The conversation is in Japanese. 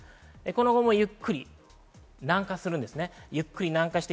この後もゆっくり南下するんです。